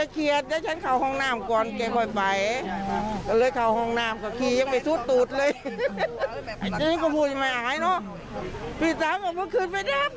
คุณป้านี่กังอยู่ห้องน้ำอยู่ใช่ไหม